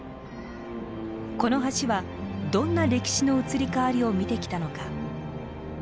この橋はどんな歴史の移り変わりを見てきたのか。